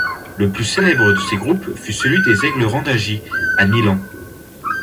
Le plus célèbre de ces groupes fut celui des Aigles randagie, à Milan.